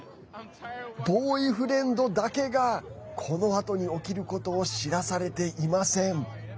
ボーイフレンドだけがこのあとに起きることを知らされていません。